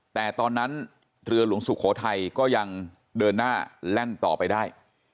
แต่ตอนนั้นเรือหลวงสุโขทัยก็ยังเดินหน้าแล่นต่อไปได้